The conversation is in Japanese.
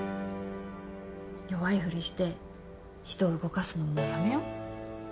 弱いふりして人動かすのもうやめよ。